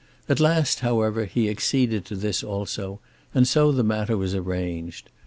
At last, however, he acceded to this also, and so the matter was arranged.